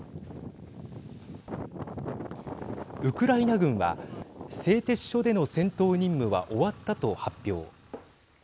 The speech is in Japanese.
ウクライナ軍は製鉄所での戦闘任務は終わったと発表。